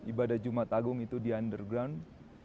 ibadah jumat agung itu di underground